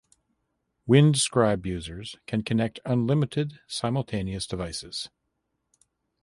Windscribe users can connect unlimited simultaneous devices.